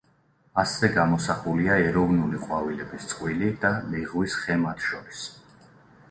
მასზე გამოსახულია ეროვნული ყვავილების წყვილი და ლეღვის ხე მათ შორის.